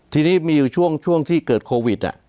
ทีนี้มีอยู่ช่วงที่เกิดโควิด